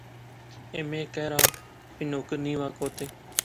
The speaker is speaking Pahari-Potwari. ایم اے کیر آ فہ نوکر نی وہا کوتے